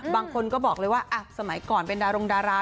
บางคนก็บอกเลยว่าสมัยก่อนเป็นดารงดารา